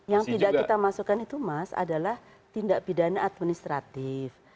yang tidak kita masukkan itu mas adalah tindak pidana administratif